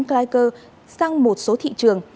clyker sang một số thị trường